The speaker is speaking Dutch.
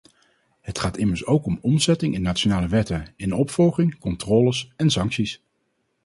Het gaat immers ook om omzetting in nationale wetten, in opvolging, controles en sancties.